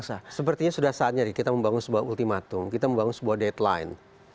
sepertinya sudah saatnya kita membangun sebuah ultimatum kita membangun sebuah deadline